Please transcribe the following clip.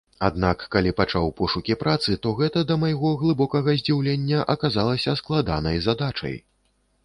Аднак калі пачаў пошукі працы, то гэта да майго глыбокага здзіўлення аказалася складанай задачай.